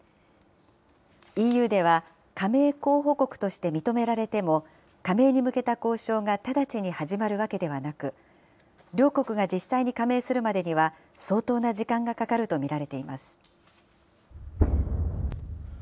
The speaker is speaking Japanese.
ＥＵでは、加盟候補国として認められても、加盟に向けた交渉が直ちに始まるわけではなく、両国が実際に加盟するまでには、相当な時間がかかると見られています。